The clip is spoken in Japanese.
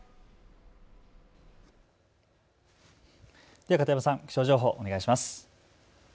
では片山さん、気象情報お願いします。